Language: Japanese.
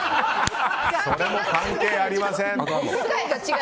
それも関係ありません！